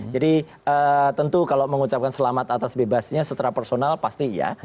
jadi tentu kalau mengucapkan selamat atas bebasnya secara personal pasti iya